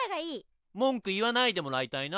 文句言わないでもらいたいな。